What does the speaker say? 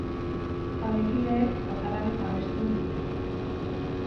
Taldekideek katalanez abestu ohi dute.